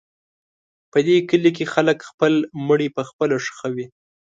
په دې کلي کې خلک خپل مړي پخپله ښخوي.